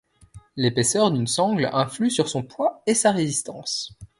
L'épaisseur d'une sangle influe sur son poids et sa résistance.